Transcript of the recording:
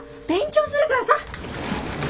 勉強するからさ！